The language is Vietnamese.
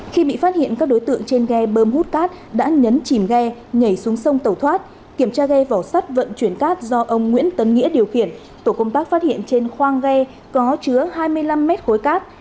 khi bị phát hiện các đối tượng trên ghe bơm hút cát đã nhấn chìm ghe nhảy xuống sông tẩu thoát kiểm tra ghe vỏ sắt vận chuyển cát do ông nguyễn tấn nghĩa điều khiển tổ công tác phát hiện trên khoang ghe có chứa hai mươi năm mét khối cát